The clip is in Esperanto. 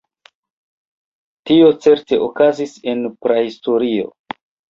Tio certe okazis en prahistorio.